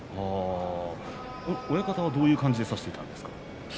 親方はどういう感じで差していたんですか？